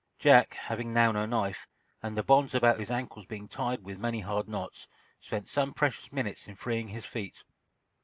Jack, having now no knife, and the bonds about his ankles being tied with many hard knots, spent some precious minutes in freeing his feet.